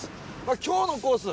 今日のコース